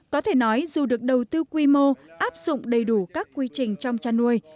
có thể nói dù được đầu tư quy mô áp dụng đầy đủ các quy trình trong chăn nuôi